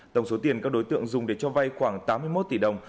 tổng số tiền các đối tượng dùng để cho vay khoảng tám mươi một tỷ đồng